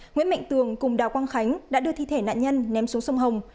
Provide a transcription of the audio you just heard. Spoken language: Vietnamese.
nguyễn mạnh tường cùng đào quang khánh đã đưa thi thể nạn nhân ném xuống sông hồng